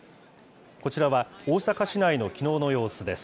こちらは、大阪市内のきのうの様子です。